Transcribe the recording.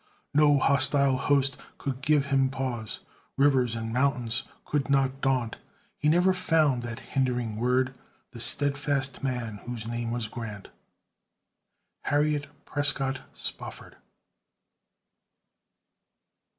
No hostile host could give him pause; Rivers and mountains could not daunt; He never found that hindering word The steadfast man whose name was Grant. HARRIET PRESCOTT SPOFFORD.